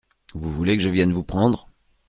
Vous voulez que je vienne vous prendre ?